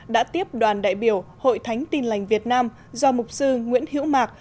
đã tiếp đoàn đại biểu hội thánh tin lành việt nam do mục sư nguyễn hiễu mạc